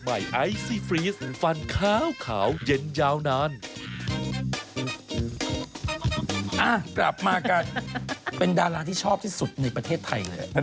มีชื่อเป็นดาราชอบที่สุดในประเทศไทยเลย